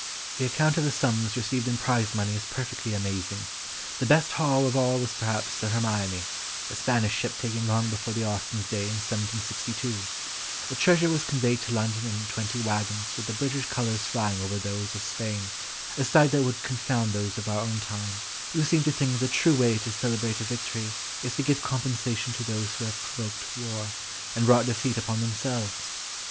The account of the sums received in prize money is perfectly amazing; the best haul of all was perhaps the Hermione, a Spanish ship taken long before the Austens' day, in 1762. The treasure was conveyed to London in twenty waggons with the British colours flying over those of Spain, a sight that would confound those of our own time, who seem to think the true way to celebrate a victory is to give compensation to those who have provoked war, and brought defeat upon themselves!